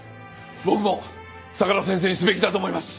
僕も相良先生にすべきだと思います！